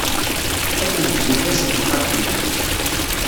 Akken deg tillas n texxamt-nni.